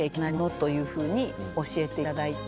というふうに教えていただいて。